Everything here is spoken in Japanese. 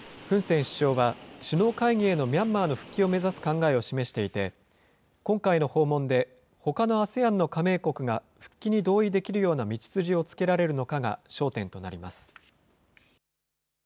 フン・セン首相は、首脳会議へのミャンマーの復帰を目指す考えを示していて、今回の訪問で、ほかのＡＳＥＡＮの加盟国が復帰に同意できるような道筋をつけられるのかが焦点となります。